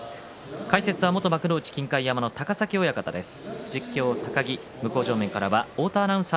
解説は元幕内金開山の高崎親方です。